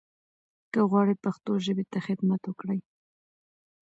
که غواړٸ پښتو ژبې ته خدمت وکړٸ